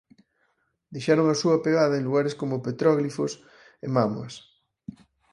Deixaron a súa pegada en lugares como petróglifos e mámoas.